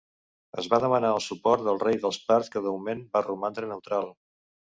Es va demanar el suport del rei dels parts que de moment va romandre neutral.